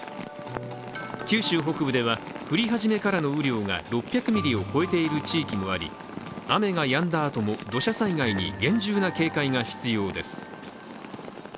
九州北部では、降り始めからの雨量が６００ミリを超えている地域もあり雨がやんだあとも土砂災害に厳重な警戒が必要です。